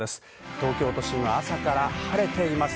東京都心は朝から晴れています。